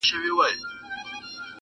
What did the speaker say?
ستا د غواوو دي تېره تېره ښکرونه -